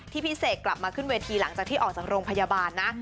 พี่เสกกลับมาขึ้นเวทีหลังจากที่ออกจากโรงพยาบาลนะ